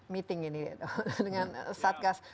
meeting ini dengan satgas